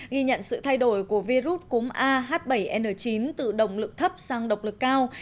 ghi nhận sự thay đổi của virus cúm ah bảy n chín từ động lực thấp sang độc lực cao